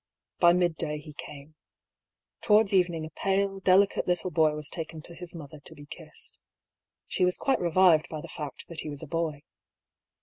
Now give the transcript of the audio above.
By midday he came. To wards evening a pale, delicate little boy was taken to his mother to be kissed. She was quite revived by the fact that he was a boy.